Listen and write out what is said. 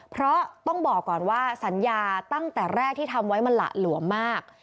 เพราะต้องบอกก่อนว่าสัญญาตั้งแต่แรกที่ทำไว้มันหละหลวมมาก